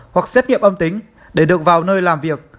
hoặc xét nghiệm âm tính để được vào nơi làm việc